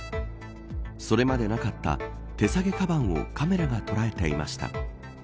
それまでなかった手提げかばんをカメラが捉えていました。